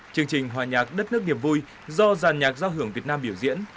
chương trình hòa nhạc đất nước niềm vui do giàn nhạc giao hưởng việt nam biểu diễn